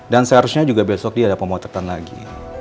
dan seharusnya juga besok dia ada pemotretan lagi